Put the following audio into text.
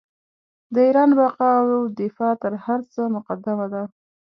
د ایران بقا او دفاع تر هر څه مقدمه ده.